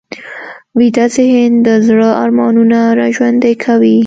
ویده ذهن د زړه ارمانونه راژوندي کوي